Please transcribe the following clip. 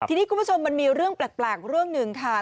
ทีนี้คุณผู้ชมมันมีเรื่องแปลกเรื่องหนึ่งค่ะ